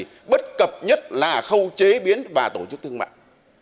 cây bất cập nhất là khâu chế biến và tổ chức thương mạng